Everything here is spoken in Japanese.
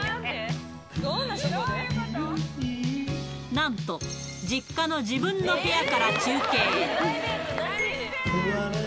なんと、実家の自分の部屋から中継。